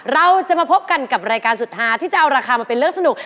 เราจะมาพบกันกับรายการสุดท้ายที่จะเอาราคามาเป็นเรื่องสนุก